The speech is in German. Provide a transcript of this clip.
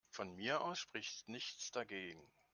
Von mir aus spricht nichts dagegen.